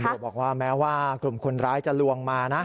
บอกว่าแม้ว่ากลุ่มคนร้ายจะลวงมานะ